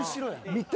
見て？